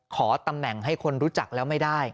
ขอตำแหน่งให้คนรู้จักแล้วไม่ได้